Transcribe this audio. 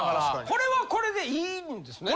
これはこれでいいんですね？